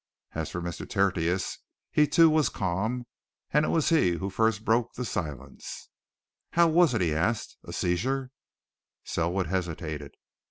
As for Mr. Tertius, he, too, was calm and it was he who first broke the silence. "How was it?" he asked. "A seizure?" Selwood hesitated.